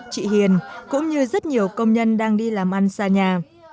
chị hiền cũng như rất nhiều công nhân đang đi làm ăn xa nhà